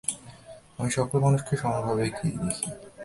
আমি সকল মানুষকে সমভাবে একই দেখি।